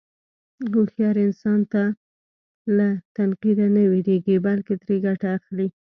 هوښیار انسان له تنقیده نه وېرېږي، بلکې ترې ګټه اخلي.